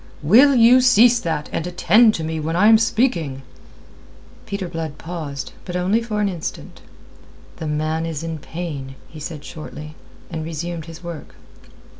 "Will you cease that, and attend to me when I am speaking?" Peter Blood paused, but only for an instant. "The man is in pain," he said shortly, and resumed his work.